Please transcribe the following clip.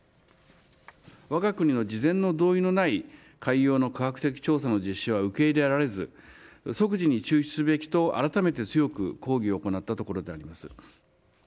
わが国の事前の同意のない海洋の科学的調査の実施は受け入れられず、即時に中止すべきと改めて強く抗議を行ったところであります。